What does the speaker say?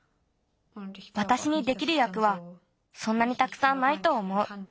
わたしにできるやくはそんなにたくさんないとおもう。